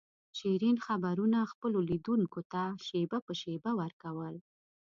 شیرین خبرونه خپلو لیدونکو ته شېبه په شېبه ور کول.